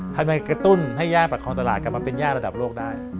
ทำไมกระตุ้นให้ย่าประคองตลาดกลับมาเป็นย่าระดับโลกได้